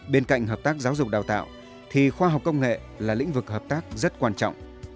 bên cạnh hợp tác giáo dục đào tạo thì khoa học công nghệ là lĩnh vực hợp tác rất quan trọng